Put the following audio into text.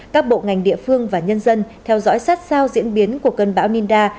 các bộ ngành địa phương và nhân dân theo dõi sát sao diễn biến của cơn bão ninda